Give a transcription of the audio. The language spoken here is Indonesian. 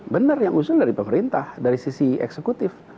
benar yang usul dari pemerintah dari sisi eksekutif